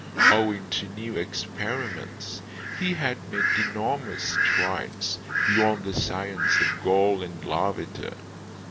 Owing to new experiments, he had made enormous strides beyond the science of Gall and Lavater.